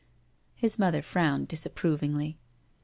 His mother frowned disapprovingly.